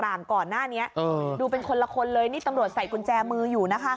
อ่านี่ตำรวจใส่กุญแจมืออยู่นะคะ